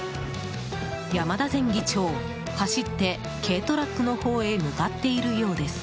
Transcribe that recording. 山田前議長、走って軽トラックの方へ向かっているようです。